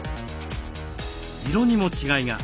色にも違いが。